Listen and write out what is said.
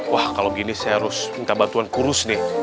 wah kalau gini saya harus minta bantuan kurus nih